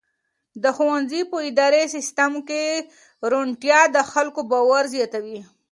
د ښوونځي په اداري سیسټم کې روڼتیا د خلکو باور زیاتوي.